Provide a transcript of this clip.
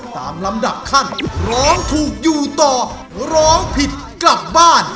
ตามลำดับขั้นร้องถูกอยู่ต่อร้องผิดกลับบ้าน